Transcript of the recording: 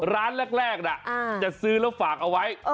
ร้านแรกจะซื้อแล้วฝากเอาไว้